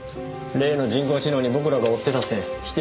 例の人工知能に僕らが追ってた線否定されちゃって。